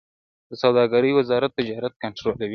د سوداګرۍ وزارت تجارت کنټرولوي